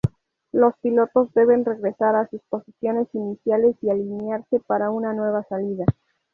Los pilotos deben regresar a sus posiciones iniciales y alinearse para una nueva salida.